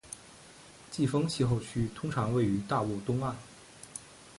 季风气候区通常位于大陆东岸